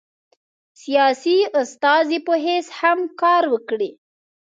سیاسي استازي په حیث هم کار وکړي.